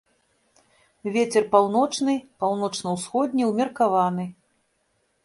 Вецер паўночны, паўночна-ўсходні ўмеркаваны.